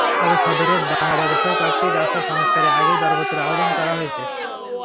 তবে সদর রোড, বাংলাবাজারসহ কয়েকটি রাস্তা সংস্কারে আগেই দরপত্র আহ্বান করা হয়েছে।